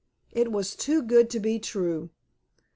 It was too good to be true.